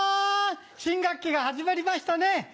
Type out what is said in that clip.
新学期が始まりましたね。